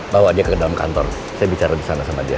bawa dia ke dalam kantor saya bicara di sana sama dia